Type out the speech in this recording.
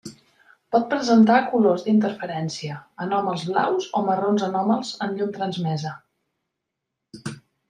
Pot presentar colors d'interferència anòmals blaus o marrons anòmals en llum transmesa.